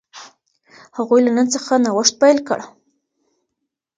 هغوی له نن څخه نوښت پیل کړ.